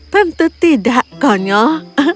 tentu tidak konyol